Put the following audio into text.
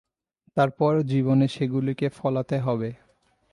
তারপর জীবনে সেগুলিকে ফলাতে হবে।